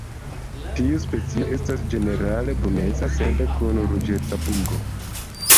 Tiu specio estas ĝenerale bruneca sed kun ruĝeca pugo.